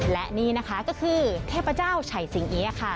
และนี่นะคะก็คือเทพเจ้าไฉสิงเอี๊ยะค่ะ